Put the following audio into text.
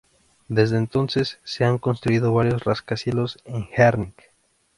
Desde entonces se han construido varios rascacielos en Herning.